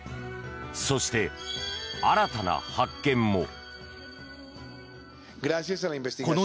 そして、新たな発見も。